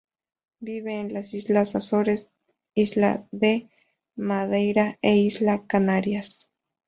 Vive en las Islas Azores, Isla de Madeira e Islas Canarias.